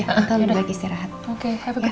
tante kalau mau tinggal gak apa apa aku sendiri aja